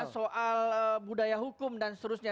soal budaya hukum dan seterusnya